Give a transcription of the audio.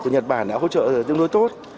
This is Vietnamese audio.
nhật bản đã hỗ trợ tương đối tốt